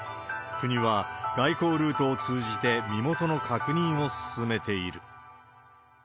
国は、外交ルートを通じて身元の確認を進めている。